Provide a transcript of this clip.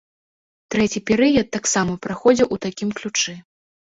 Трэці перыяд таксама праходзіў у такім ключы.